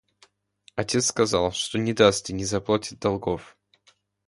Отец сказал, что не даст и не заплатит долгов.